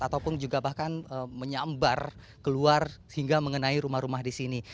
ataupun juga bahkan menyambar keluar hingga mengenai rumah rumah di sini